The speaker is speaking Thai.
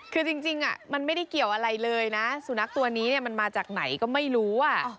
คือจริงมันไม่ได้เกี่ยวอะไรเลยนะสุนัขตัวนี้มันมาจากไหนก็ไม่รู้